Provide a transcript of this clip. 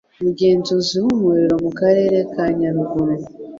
umugenzuzi w umurimo mu karere ka nyaruguru